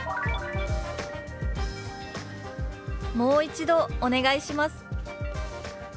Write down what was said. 「もう一度お願いします」。